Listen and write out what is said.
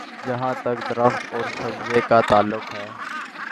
جہاں تک درخت اور سبزے کا تعلق ہے۔